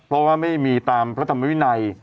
เพราะว่าไม่มีตามพระธรรมวินัย